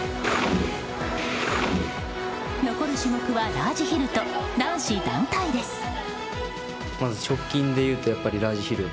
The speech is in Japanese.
残る種目はラージヒルと男子団体です。